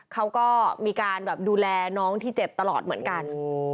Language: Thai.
เขาก็มีการแบบดูแลน้องที่เจ็บตลอดเหมือนกัน